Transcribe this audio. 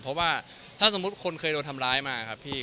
เพราะว่าถ้าสมมุติคนเคยโดนทำร้ายมาครับพี่